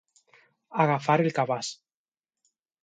Agafar el cabàs.